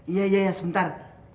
iya iya sebentar